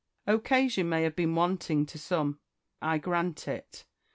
Occasion may have been wanting to some ; I grant it.